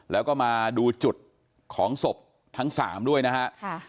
แล้วก็มาดูจุดของศพทั้ง๓ด้วยนะฮะ